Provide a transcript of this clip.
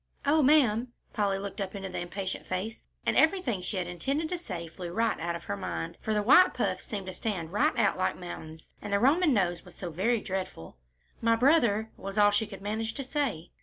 "Oh, ma'am," Polly looked up into the impatient face, and everything she had intended to say flew right out of her mind, for the white puffs seemed to stand right out like mountains, and the Roman nose was so very dreadful. "My brother," was all she could manage to say.